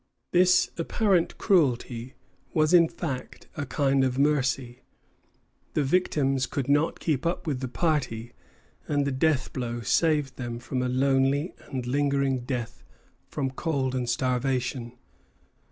This apparent cruelty was in fact a kind of mercy. The victims could not keep up with the party, and the death blow saved them from a lonely and lingering death from cold and starvation.